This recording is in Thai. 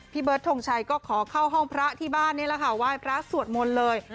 เบิร์ดทงชัยก็ขอเข้าห้องพระที่บ้านนี่แหละค่ะไหว้พระสวดมนต์เลย